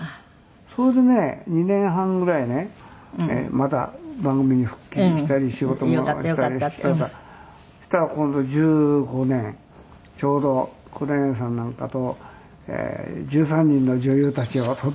それでね２年半ぐらいねまた番組に復帰したり仕事もしたりしたらそしたら今度２０１５年ちょうど黒柳さんなんかと『１３人の女優たち』を撮ってる時。